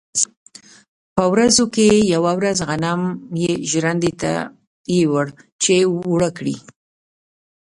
په ورځو کې یوه ورځ غنم یې ژرندې ته یووړل چې اوړه کړي.